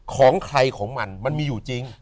ของใครของมันมันมีอยู่จริง